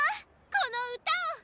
この歌を！